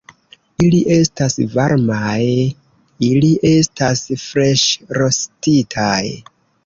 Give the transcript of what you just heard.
Ili estas varmaj... ili estas freŝrostitaj